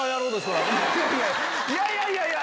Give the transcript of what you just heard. いやいやいやいや！